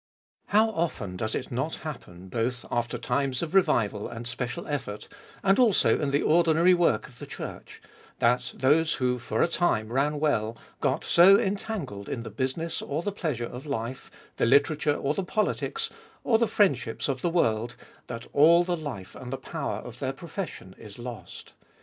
How often does it not happen, both after times of revival and special effort, and also in the ordinary work of the Church, that those who for a time ran well, got so entangled in the business or the pleasure of life, the literature, or the politics, or the friend ships of the world, that all the life and the power of their profession is lost.